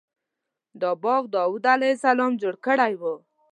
دا باغ داود علیه السلام جوړ کړی و.